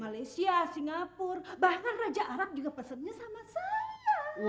malaysia singapura bahkan raja arab juga pesannya sama saya